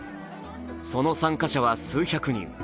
その参加者は数百人。